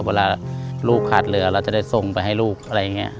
เวลาลูกขาดเรือเราจะได้ส่งไปให้ลูกอะไรอย่างนี้